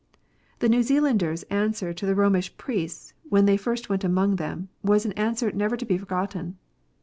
The Xew Zealander s answer to the Romish priests when they first went among them, was an answer never to be forgotten.